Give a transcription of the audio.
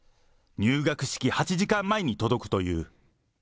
入学式８時間前に届くという。